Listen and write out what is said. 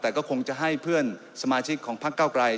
แต่ก็คงจะให้เพื่อนสมาชิกของพักเก้าไกล